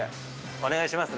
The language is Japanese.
お願いしますね。